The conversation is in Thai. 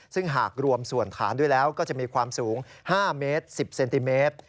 ซึ่งหากรวมส่วนฐานด้วยแล้วก็จะมีความสูง๕เมตร๑๐เซนติเมตร